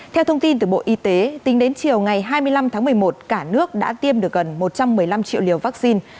theo thông tin từ bộ y tế tính đến chiều ngày hai mươi năm tháng một mươi một cả nước đã tiêm được gần một trăm linh dịch covid một mươi chín